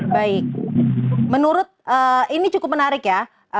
baik menurut ini cukup menarik ya